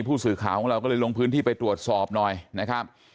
ผู้สื่อข่าวของเราก็เลยลงพื้นที่ไปตรวจสอบหน่อยนะครับ